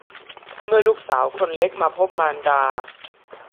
เมื่อลูกสาวคนเล็กมาพบมารดา